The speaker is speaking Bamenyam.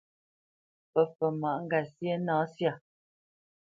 Fǝfot máʼ ŋgasyé na syâ.